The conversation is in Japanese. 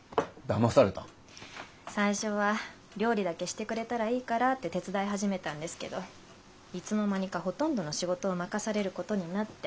最初は料理だけしてくれたらいいからって手伝い始めたんですけどいつの間にかほとんどの仕事を任されることになって。